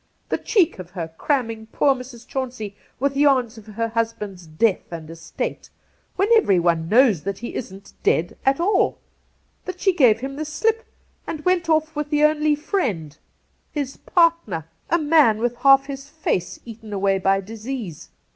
The cheek of her cramming poor Mrs. Chauneey with yarns of her husband's death and estate, when everyone knows that he isn't dead at all ; that she gave him the slip, and went off with the " only friend "— his, partner ! A man with half his face eaten away by disease.